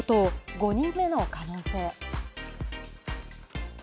５人目の可能性。